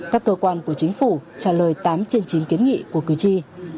các cơ quan của chính phủ trả lời tám trên chín kiến nghị của cử tri